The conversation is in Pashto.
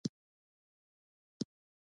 پخپله د دې دنیا څښتن لیکلی دی.